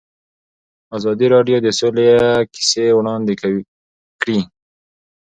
ازادي راډیو د سوله کیسې وړاندې کړي.